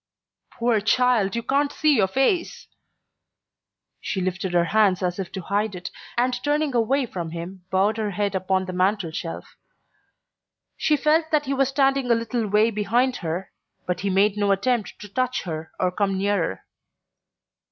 "Poor child you can't see your face!" She lifted her hands as if to hide it, and turning away from him bowed her head upon the mantel shelf. She felt that he was standing a little way behind her, but he made no attempt to touch her or come nearer.